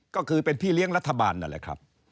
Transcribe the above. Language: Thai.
ก็คือเป็นพี่เลี้ยงรัฐบาลนั่นแหละครับ